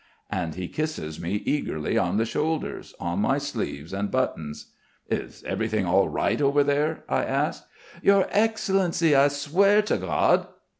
_" And he kisses me eagerly on the shoulders, on my sleeves, and buttons. "Is everything all right over there?" I ask. "Your Excellency! I swear to God...."